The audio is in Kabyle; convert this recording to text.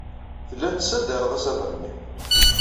Telliḍ tessadareḍ asaber-nni.